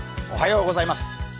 おはようございます。